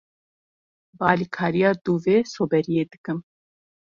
Bi alikariya dûvê soberiyê dikim.